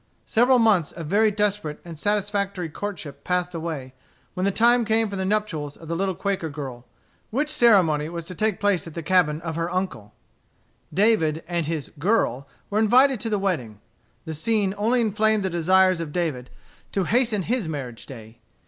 Several months of very desperate and satisfactory courtship passed away, when the time came for the nuptials of the little Quaker girl, which ceremony was to take place at the cabin of her uncle David and his "girl" were invited to the wedding. The scene only inflamed the desires of David to hasten his marriage day.